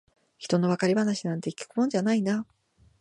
ひとの別れ話なんて聞くもんじゃないな。